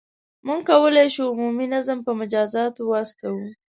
• موږ کولای شو، عمومي نظم په مجازاتو وساتو.